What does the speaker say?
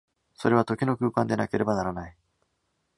それは時の空間でなければならない。